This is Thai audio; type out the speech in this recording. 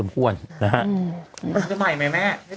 หมายไม่แม่